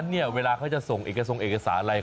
นกพิราพตกงานแล้วสิ